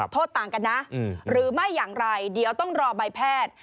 ต่างกันนะหรือไม่อย่างไรเดี๋ยวต้องรอใบแพทย์